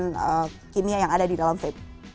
jadi ini adalah kini yang ada di dalam vape